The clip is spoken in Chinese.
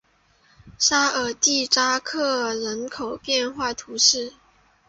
沙尔蒂扎克人口变化图示